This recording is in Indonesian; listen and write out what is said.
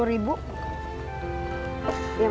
terima kasih ya bu